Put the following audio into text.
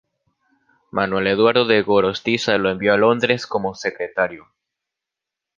Manuel Eduardo de Gorostiza lo envió a Londres como Secretario.